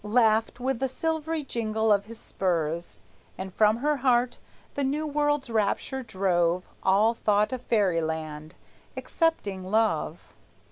Laughed with the silvery jingle of his spurs, And from her heart the new world's rapture drove All thought of Fairyland excepting love.